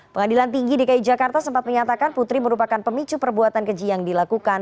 pengadilan tinggi dki jakarta sempat menyatakan putri merupakan pemicu perbuatan keji yang dilakukan